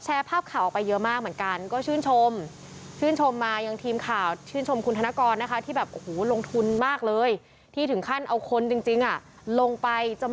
แชร์ภาพเข่าออกมาเยอะมากเหมือนกันก็ชื่นชม